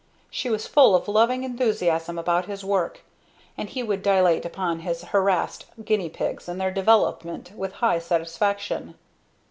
She was full of loving enthusiasm about his work, and he would dilate upon his harassed guinea pigs and their development with high satisfaction.